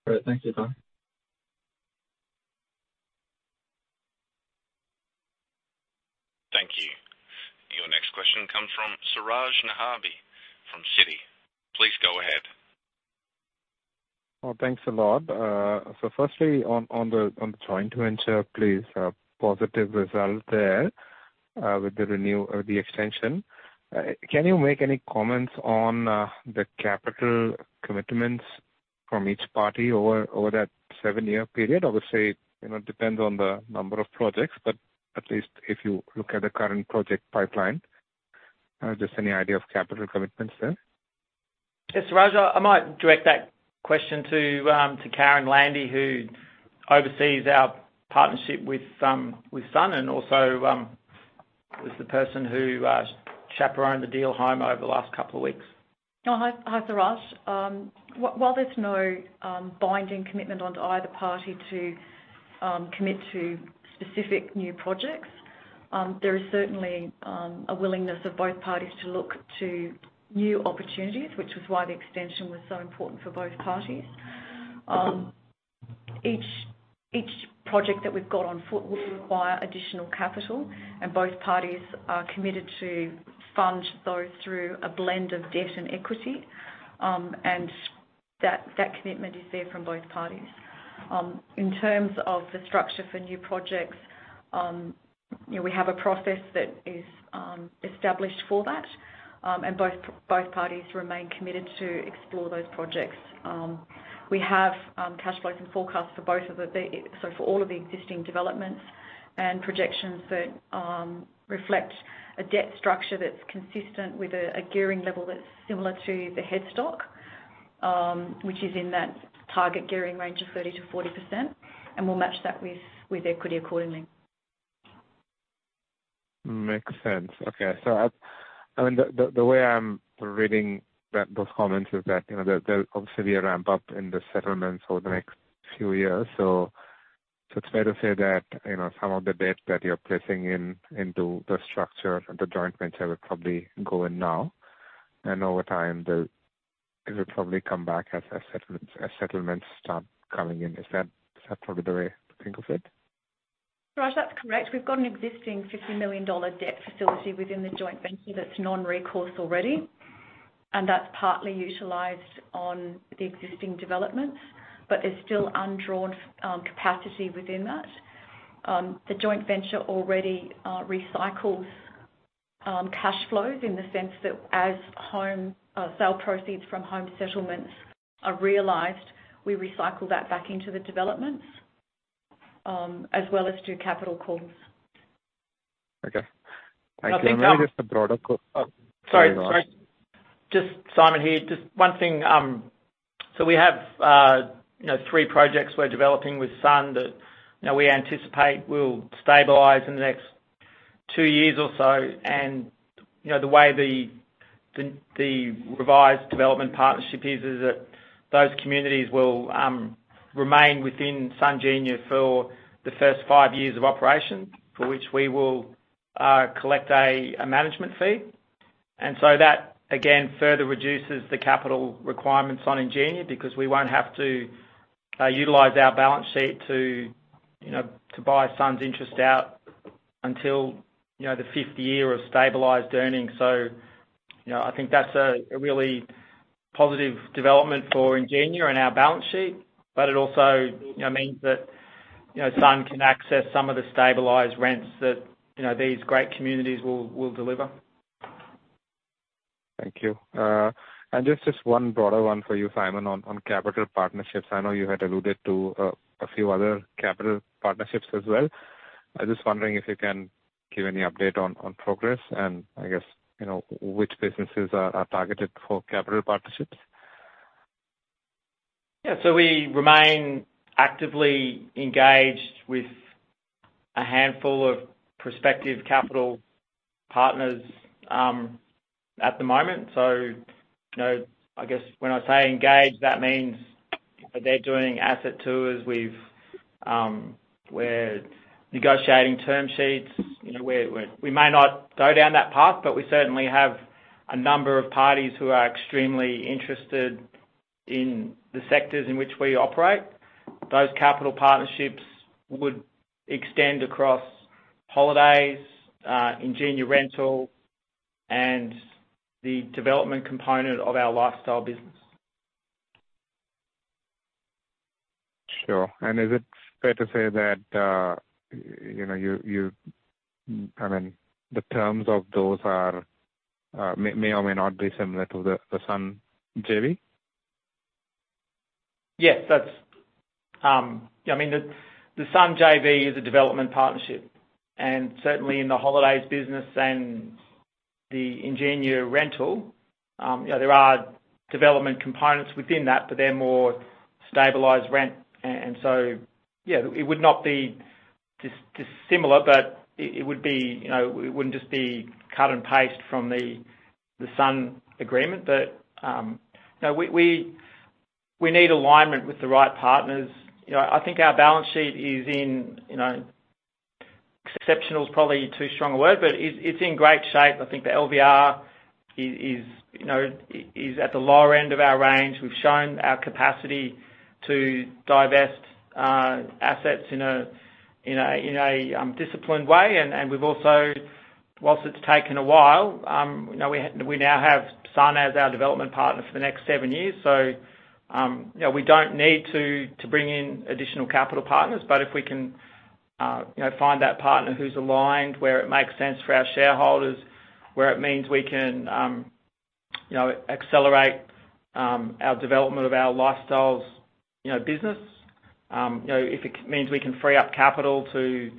Great. Thank you, Justin. Thank you. Your next question comes from Suraj Nebhani from Citi. Please go ahead. Well, thanks a lot. Firstly, on, on the, on the joint venture, please, a positive result there, with the extension. Can you make any comments on the capital commitments from each party over, over that seven-year period? Obviously, you know, it depends on the number of projects, but at least if you look at the current project pipeline, just any idea of capital commitments there? Yes, Suraj, I, I might direct that question to Karen Landy, who oversees our partnership with Sun, and also, was the person who chaperoned the deal home over the last couple of weeks. Oh, hi. Hi, Suraj. While there's no binding commitment on to either party to commit to specific new projects, there is certainly a willingness of both parties to look to new opportunities, which was why the extension was so important for both parties. Each, each project that we've got on foot will require additional capital, and both parties are committed to fund those through a blend of debt and equity. That, that commitment is there from both parties. In terms of the structure for new projects, you know, we have a process that is established for that, both, both parties remain committed to explore those projects. We have cash flows and forecasts for all of the existing developments and projections that reflect a debt structure that's consistent with a gearing level that's similar to the head Co, which is in that target gearing range of 30%-40%, and we'll match that with equity accordingly. Makes sense. Okay. I, I mean, the, the, the way I'm reading that, those comments is that, you know, there, there'll obviously be a ramp up in the settlements over the next few years. It's fair to say that, you know, some of the debt that you're placing in, into the structure of the joint venture will probably go in now, and over time, the, it will probably come back as, as settlements, as settlements start coming in. Is that, is that probably the way to think of it? Raj, that's correct. We've got an existing 50 million dollar debt facility within the joint venture that's non-recourse already, and that's partly utilized on the existing developments, but there's still undrawn capacity within that. The joint venture already recycles cash flows in the sense that as home sale proceeds from home settlements are realized, we recycle that back into the developments, as well as do capital calls. Okay. I think maybe just a broader qu- Sorry, sorry. Just Simon here. Just one thing, you know, three projects we're developing with Sun that, you know, we anticipate will stabilize in the next two years or so. You know, the way the, the, the revised development partnership is, is that those communities will remain within Sun Ingenia for the first five years of operation, for which we will collect a management fee. That, again, further reduces the capital requirements on Ingenia, because we won't have to utilize our balance sheet to, you know, to buy Sun's interest out until, you know, the fifth year of stabilized earnings. You know, I think that's a, a really positive development for Ingenia and our balance sheet, but it also, you know, means that, you know, Sun can access some of the stabilized rents that, you know, these great communities will, will deliver. Thank you. Just, just one broader one for you, Simon, on, on capital partnerships. I know you had alluded to a few other capital partnerships as well. I'm just wondering if you can give any update on, on progress and I guess, you know, which businesses are, are targeted for capital partnerships? Yeah, we remain actively engaged with a handful of prospective capital partners at the moment. You know, I guess when I say engaged, that means they're doing asset tours with, we're negotiating term sheets. You know, we may not go down that path, but we certainly have a number of parties who are extremely interested in the sectors in which we operate. Those capital partnerships would extend across holidays, Ingenia Rental, and the development component of our lifestyle business. Sure. Is it fair to say that, you know, you're I mean, the terms of those are may or may not be similar to the, the Sun JV? Yes, that's. I mean, the, the Sun JV is a development partnership, and certainly in the holidays business and the Ingenia Rental, you know, there are development components within that, but they're more stabilized rent. So, yeah, it would not be dissimilar, but it, it would be, you know, it wouldn't just be cut and paste from the, the Sun agreement. We, you know, we, we need alignment with the right partners. You know, I think our balance sheet is in, you know, exceptional is probably too strong a word, but it's, it's in great shape. I think the LVR is, is, you know, is at the lower end of our range. We've shown our capacity to divest assets in a, in a, in a disciplined way. We've also, whilst it's taken a while, you know, we, we now have Sun as our development partner for the next seven years. You know, we don't need to, to bring in additional capital partners, but if we can, you know, find that partner who's aligned, where it makes sense for our shareholders, where it means we can, you know, accelerate our development of our lifestyles, you know, business. You know, if it means we can free up capital to,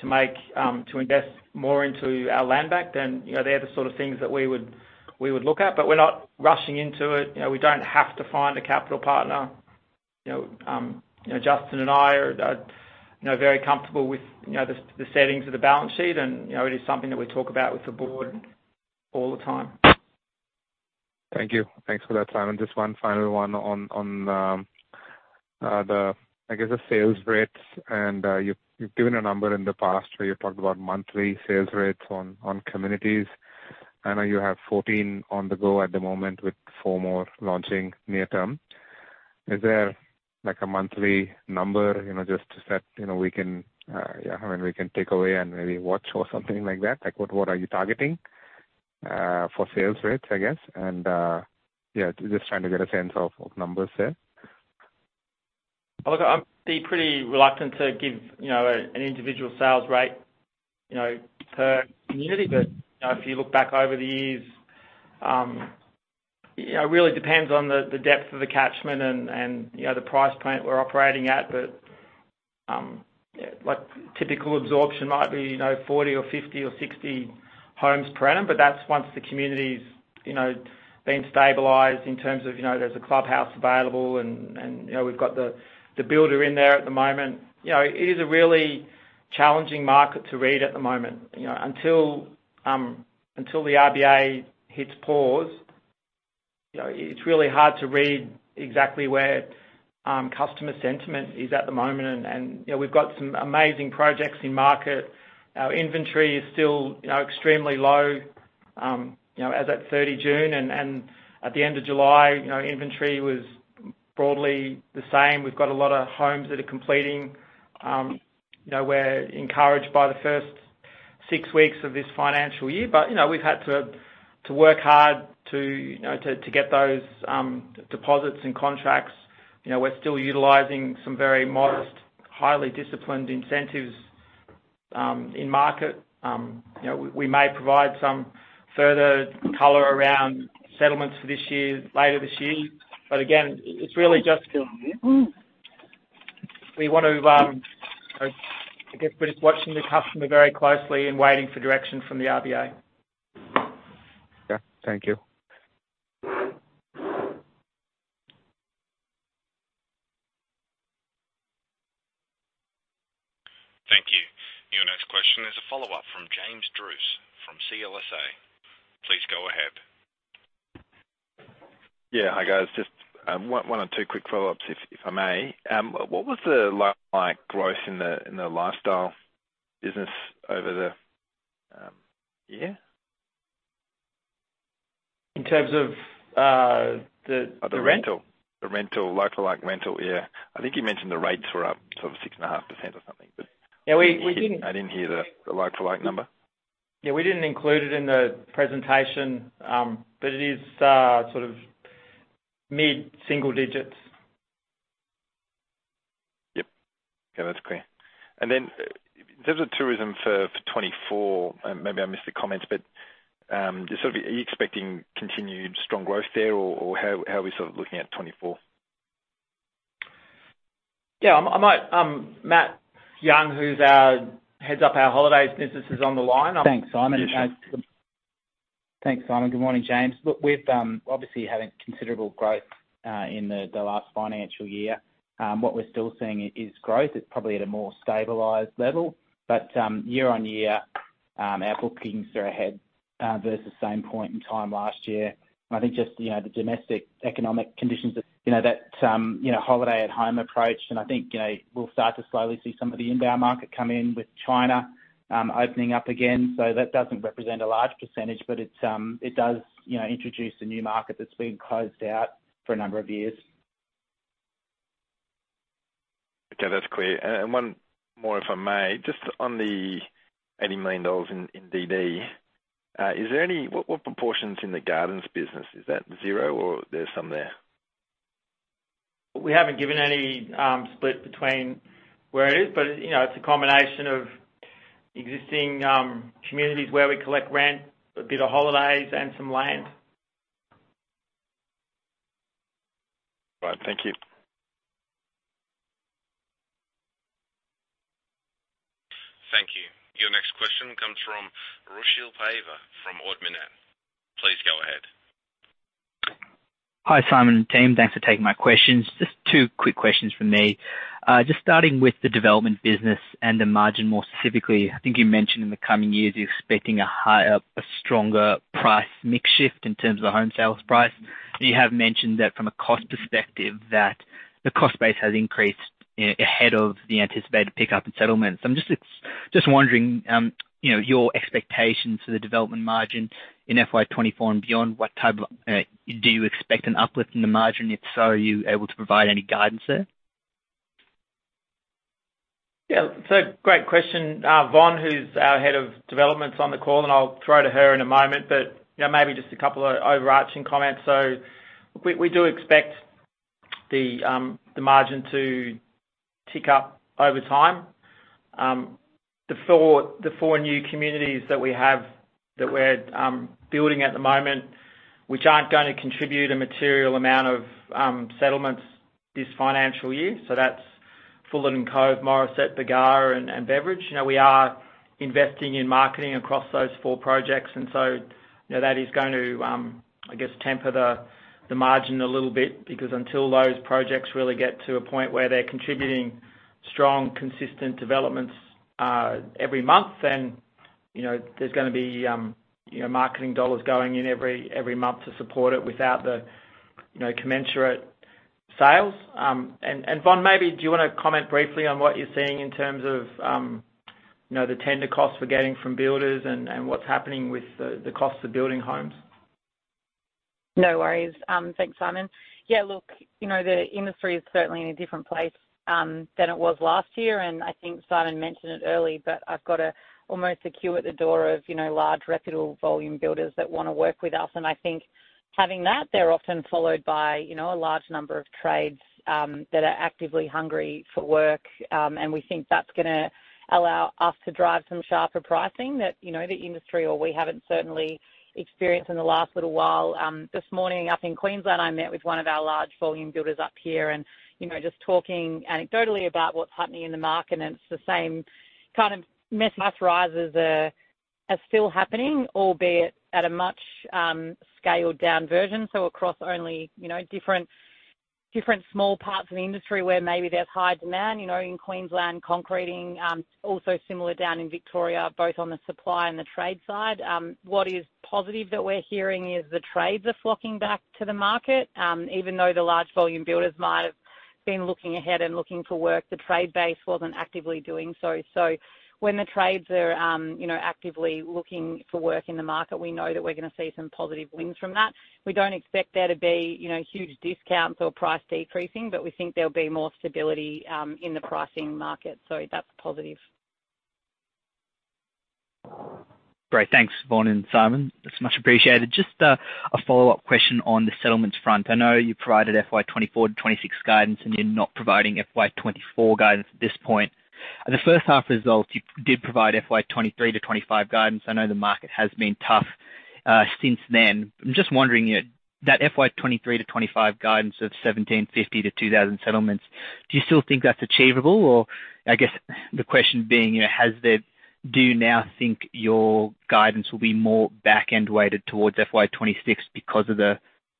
to make, to invest more into our land bank, you know, they're the sort of things that we would, we would look at. We're not rushing into it. You know, we don't have to find a capital partner. You know, you know, Justin and I are, you know, very comfortable with, you know, the, the settings of the balance sheet. You know, it is something that we talk about with the board all the time. Thank you. Thanks for that, Simon. Just one final one on, on, the, I guess, the sales rates. You've, you've given a number in the past where you talked about monthly sales rates on, on communities. I know you have 14 on the go at the moment, with 4 more launching near term. Is there like a monthly number, you know, just to set, you know, we can, yeah, I mean, we can take away and maybe watch or something like that? Like, what, what are you targeting for sales rates, I guess? Yeah, just trying to get a sense of, of numbers there. Well, look, I'd be pretty reluctant to give, you know, an individual sales rate, you know, per community. You know, if you look back over the years, you know, it really depends on the, the depth of the catchment and, and, you know, the price point we're operating at. But, yeah, like, typical absorption might be, you know, 40 or 50 or 60 homes per annum, but that's once the community's, you know, been stabilized in terms of, you know, there's a clubhouse available and, and, you know, we've got the, the builder in there at the moment. You know, it is a really challenging market to read at the moment. You know, until the RBA hits pause. You know, it's really hard to read exactly where customer sentiment is at the moment, and, and, you know, we've got some amazing projects in market. Our inventory is still, you know, extremely low, you know, as at 30 June, at the end of July, you know, inventory was broadly the same. We've got a lot of homes that are completing. You know, we're encouraged by the 1st 6 weeks of this financial year. You know, we've had to, to work hard to, you know, to, to get those deposits and contracts. You know, we're still utilizing some very modest, highly disciplined incentives in market. You know, we, we may provide some further color around settlements for this year, later this year, but again, it's really just, we want to, I guess we're just watching the customer very closely and waiting for direction from the RBA. Okay. Thank you. Thank you. Your next question is a follow-up from James Druce from CLSA. Please go ahead. Yeah. Hi, guys. Just, one, or two quick follow-ups, if, if I may. What was the like-like growth in the, in the lifestyle business over the, year? In terms of, the, the rent? The rental. The rental, like-for-like rental, yeah. I think you mentioned the rates were up sort of 6.5% or something, but- Yeah, we, we didn't. I didn't hear the like-for-like number. Yeah, we didn't include it in the presentation, but it is, sort of mid-single digits. Yep. Okay, that's clear. In terms of tourism for, for 2024, maybe I missed the comments, just sort of are you expecting continued strong growth there, or, or how, how are we sort of looking at 2024? Yeah, I, I might, Matthew Young, who heads up, our holidays business is on the line. Thanks, Simon. Thanks, Simon. Good morning, James. Look, we've, obviously having considerable growth in the, the last financial year. What we're still seeing is growth. It's probably at a more stabilized level, but year-on-year, our bookings are ahead versus the same point in time last year. I think just, you know, the domestic economic conditions, you know, that, you know, holiday at home approach. I think, you know, we'll start to slowly see some of the inbound market come in with China, opening up again. That doesn't represent a large percentage, but it's, it does, you know, introduce a new market that's been closed out for a number of years. Okay, that's clear. One more, if I may. Just on the 80 million dollars in DD, is there any? What proportion is in the Ingenia Gardens business? Is that zero or there's some there? We haven't given any split between where it is, but, you know, it's a combination of existing communities where we collect rent, a bit of holidays, and some land. Right. Thank you. Thank you. Your next question comes from Rohan Gallagher, from Ord Minnett. Please go ahead. Hi, Simon and team. Thanks for taking my questions. Just two quick questions from me. Just starting with the development business and the margin, more specifically, I think you mentioned in the coming years you're expecting a stronger price mix shift in terms of the home sales price. You have mentioned that from a cost perspective, that the cost base has increased, you know, ahead of the anticipated pickup in settlements. I'm wondering, you know, your expectations for the development margin in FY24 and beyond, what type of, do you expect an uplift in the margin? If so, are you able to provide any guidance there? Yeah, great question. Vron, who's our head of developments on the call, and I'll throw to her in a moment, but, you know, maybe just a couple of overarching comments. We, we do expect the margin to tick up over time. The four, the four new communities that we have, that we're building at the moment, which aren't gonna contribute a material amount of settlements this financial year, so that's Fullerton Cove, Morisset, Bargara, and, and Beveridge. You know, we are investing in marketing across those four projects, and so, you know, that is going to, I guess, temper the, the margin a little bit, because until those projects really get to a point where they're contributing strong, consistent developments, every month, then, you know, there's gonna be, marketing dollars going in every, every month to support it without the, you know, commensurate sales. Vron, maybe do you wanna comment briefly on what you're seeing in terms of, you know, the tender costs we're getting from builders and, and what's happening with the, the costs of building homes? No worries. Thanks, Simon. Look, you know, the industry is certainly in a different place than it was last year, and I think Simon mentioned it early, but I've got almost a queue at the door of, you know, large, reputable volume builders that wanna work with us. I think having that, they're often followed by, you know, a large number of trades that are actively hungry for work. We think that's gonna allow us to drive some sharper pricing that, you know, the industry or we haven't certainly experienced in the last little while. This morning, up in Queensland, I met with one of our large volume builders up here, you know, just talking anecdotally about what's happening in the market, it's the same kind of mess prices are still happening, albeit at a much scaled-down version, across only, you know, different small parts of the industry where maybe there's high demand, you know, in Queensland, concreting, also similar down in Victoria, both on the supply and the trade side. What is positive that we're hearing is the trades are flocking back to the market. Even though the large volume builders might have been looking ahead and looking for work, the trade base wasn't actively doing so. When the trades are, you know, actively looking for work in the market, we know that we're gonna see some positive wins from that. We don't expect there to be, you know, huge discounts or price decreasing, but we think there'll be more stability, in the pricing market. That's positive. Great. Thanks, Vron and Simon. It's much appreciated. Just a follow-up question on the settlements front. I know you provided FY24-26 guidance, and you're not providing FY24 guidance at this point. At the first half results, you did provide FY23-25 guidance. I know the market has been tough since then. I'm just wondering, at that FY23-25 guidance of 1,750-2,000 settlements, do you still think that's achievable? I guess the question being, you know, has there do you now think your guidance will be more back-end weighted towards FY26 because of the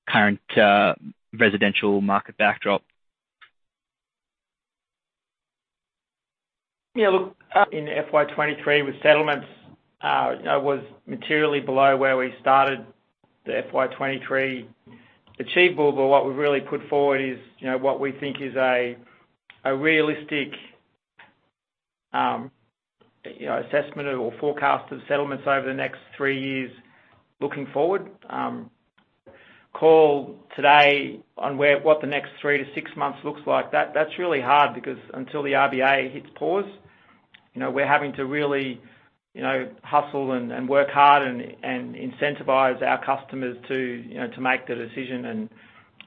current residential market backdrop? Yeah, look, in FY23 with settlements, you know, was materially below where we started the FY23 achievable. What we've really put forward is, you know, what we think is a, a realistic, you know, assessment or forecast of settlements over the next three years looking forward. Call today on where-- what the next 3-6 months looks like, that-that's really hard because until the RBA hits pause, you know, we're having to really, you know, hustle and, and work hard and, and incentivize our customers to, you know, to make the decision.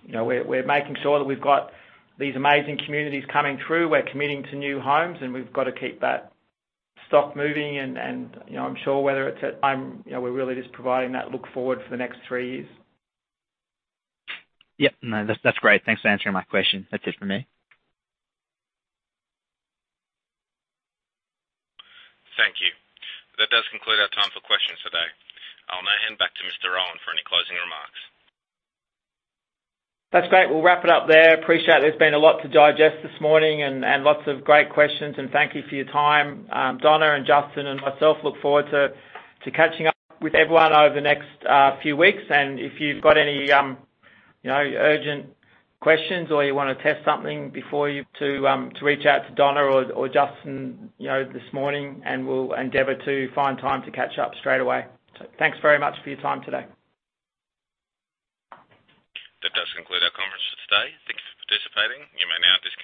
You know, we're, we're making sure that we've got these amazing communities coming through. We're committing to new homes, and we've got to keep that stock moving and, you know, I'm sure whether it's at time, you know, we're really just providing that look forward for the next 3 years. Yep. No, that's, that's great. Thanks for answering my question. That's it for me. Thank you. That does conclude our time for questions today. I'll now hand back to Mr. Owen for any closing remarks. That's great. We'll wrap it up there. Appreciate there's been a lot to digest this morning and lots of great questions, and thank you for your time. Donna and Justin and myself look forward to catching up with everyone over the next few weeks. If you've got any, you know, urgent questions or you wanna test something before you to reach out to Donna or Justin, you know, this morning, and we'll endeavor to find time to catch up straight away. Thanks very much for your time today. That does conclude our conference for today. Thank you for participating. You may now disconnect.